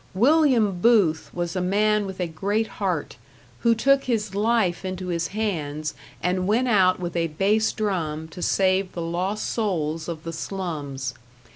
William Booth was a man with a great heart, who took his life into his hands and went out with a bass drum to save the lost souls of the slums.